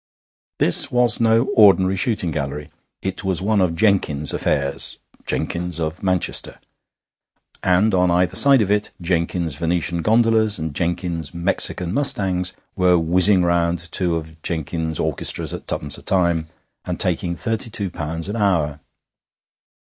This was no ordinary shooting gallery. It was one of Jenkins's affairs (Jenkins of Manchester), and on either side of it Jenkins's Venetian gondalas and Jenkins's Mexican mustangs were whizzing round two of Jenkins's orchestras at twopence a time, and taking thirty two pounds an hour.